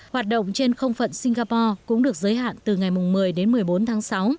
hoạt động trên không phận singapore cũng được giới hạn từ ngày một mươi đến một mươi bốn tháng sáu